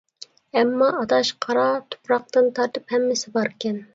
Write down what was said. ئەمما ئاداش. قارا تۇپراقتىن تارتىپ ھەممىسى باركەن.